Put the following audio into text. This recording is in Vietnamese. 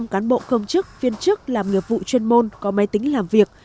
một trăm linh cán bộ công chức viên chức làm nghiệp vụ chuyên môn có máy tính làm việc